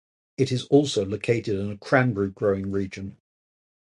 It is also located in a cranberry growing region.